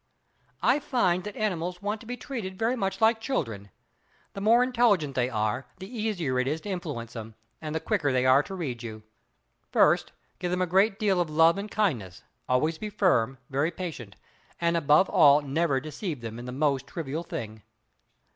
I find that animals want to be treated very much like children. The more intelligent they are the easier it is to influence them, and the quicker they are to read you. First give them a great deal of love and kindness, always be firm, very patient, and above all never deceive them in the most trivial thing.